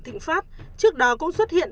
thịnh pháp trước đó cũng xuất hiện